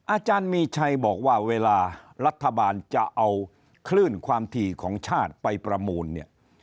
อาจารย์มีชัยบอกว่าเวลารัฐบาลจะเอาคลื่นความถี่ของชาติไปประมูลเนี่ย